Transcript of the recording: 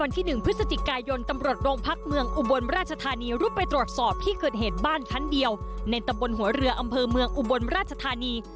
ที่เรืออำเภอเมืองอุบลราชธานี